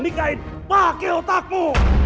nikahin pakai otakmu